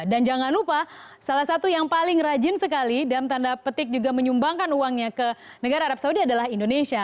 dan jangan lupa salah satu yang paling rajin sekali dan tanda petik juga menyumbangkan uangnya ke negara arab saudi adalah indonesia